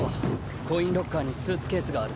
コインロッカーにスーツケースがある。